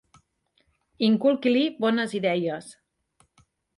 Inculqui-li bones idees